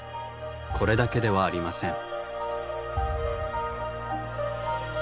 これだけではありません。